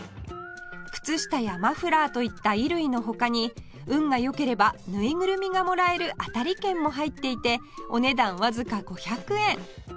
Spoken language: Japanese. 靴下やマフラーといった衣類の他に運が良ければぬいぐるみがもらえる当たり券も入っていてお値段わずか５００円